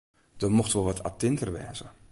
Do mochtst wol wat attinter wêze.